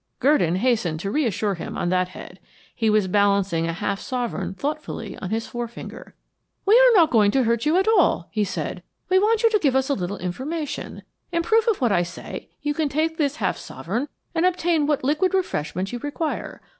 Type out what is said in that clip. Gurdon hastened to reassure him on that head. He was balancing a half sovereign thoughtfully on his forefinger. "We are not going to hurt you at all," he said. "We want you to give us a little information. In proof of what I say you can take this half sovereign and obtain what liquid refreshment you require.